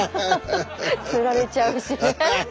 つられちゃうし。